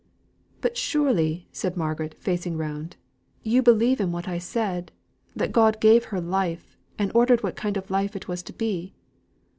"But surely," said Margaret, facing round, "you believe in what I said, that God gave her life, and ordered what kind of life it was to be?"